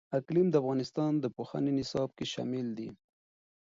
اقلیم د افغانستان د پوهنې نصاب کې شامل دي.